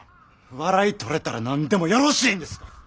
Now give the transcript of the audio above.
笑いとれたら何でもよろしいんですか。